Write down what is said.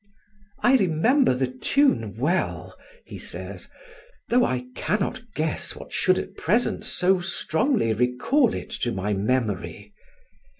"'I remember the tune well,' he says, 'though I cannot guess what should at present so strongly recall it to my memory.'